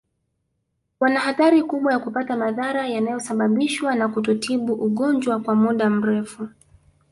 Wana hatari kubwa ya kupata madhara yanayosababishwa na kutotibu ugonjwa kwa muda mrefu